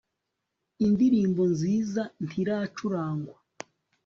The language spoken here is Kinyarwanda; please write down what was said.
indirimbo nziza nti racurangwa